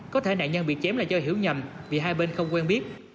có thể nạn nhân bị chém là do hiểu nhầm vì hai bên không quen biết